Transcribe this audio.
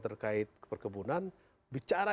terkait perkebunan bicara